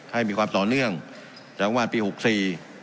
ให้มีความต่อเนื่องจากงบประมาณปีหกสี่